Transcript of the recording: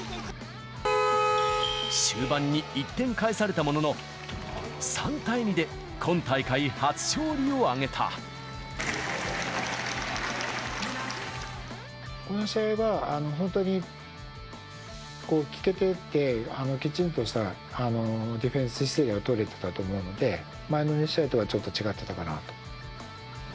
終盤に１点返されたものの、３対２で、この試合は、本当に聞けてて、きちんとしたディフェンス姿勢が取れていたと思うので、前の２試合とはちょっと違ってたかなと。